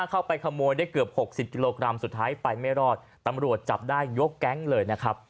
เข้าไปขโมยได้เกือบหกสิบกิโลกรัมสุดท้ายไปไม่รอดตำรวจจับได้ยกแก๊งเลยนะครับ